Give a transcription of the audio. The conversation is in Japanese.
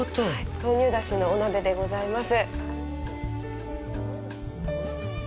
豆乳出汁のお鍋でございます。